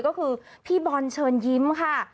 ก็คือพี่บอลเชิญยิ้มค่ะ